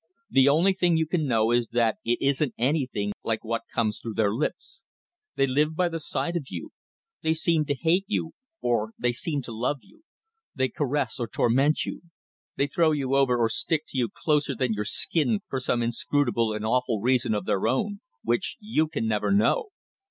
The only thing you can know is that it isn't anything like what comes through their lips. They live by the side of you. They seem to hate you, or they seem to love you; they caress or torment you; they throw you over or stick to you closer than your skin for some inscrutable and awful reason of their own which you can never know!